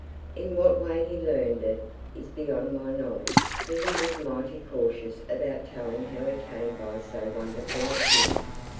In what way he learned it is beyond my knowledge for he was mighty cautious about telling how he came by so wonderful a tune.